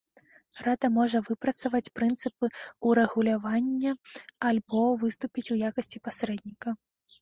Рада можа выпрацаваць прынцыпы ўрэгулявання альбо выступіць у якасці пасрэдніка.